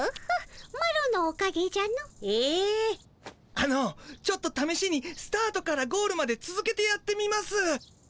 あのちょっとためしにスタートからゴールまでつづけてやってみます。